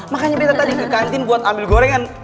makanya dia tadi ke kantin buat ambil gorengan